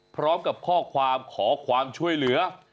พร้อมกับข้อความขอความช่วยเหลือ